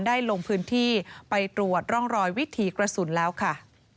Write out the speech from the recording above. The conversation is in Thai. ลงพื้นที่ไปตรวจร่องรอยวิถีกระสุนแล้วค่ะ